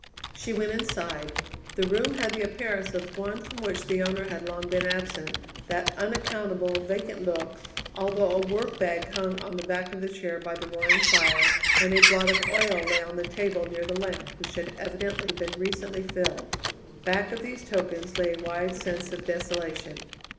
She went inside. The room had the appearance of one from which the owner had long been absent, that unaccountable, vacant look, although a work bag hung on the back of a chair by the roaring fire, and a blot of oil lay on the table near the lamp which had evidently been recently filled. Back of these tokens lay a wide sense of desolation.